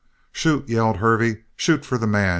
"Shoot!" yelled Hervey. "Shoot for the man.